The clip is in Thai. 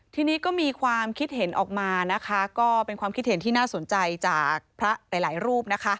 ทีนี้ก็มีความคิดเห็นออกมานะคะก็เป็นความคิดเห็นที่น่าสนใจจากพระหลายรูปนะคะ